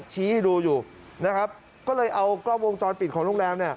ชี้ให้ดูอยู่นะครับก็เลยเอากล้องวงจรปิดของโรงแรมเนี่ย